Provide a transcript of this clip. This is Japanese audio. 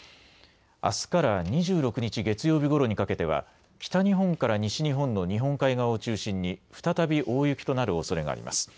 あすから２６日月曜日ごろにかけては北日本から西日本の日本海側を中心に再び大雪となるおそれがあります。